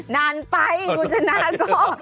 นานไปกูจะน่าก็